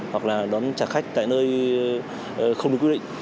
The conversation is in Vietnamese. hoặc đón chạm khách tại nơi không được quy định